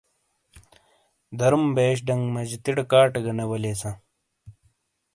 درُوم بیش ڑنگ مجِیتڑےکاٹے گہ نے والیساں۔